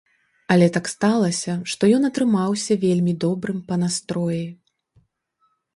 Але так сталася, што ён атрымаўся вельмі добрым па настроі.